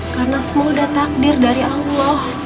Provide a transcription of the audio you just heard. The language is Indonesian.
karena semua udah takdir dari allah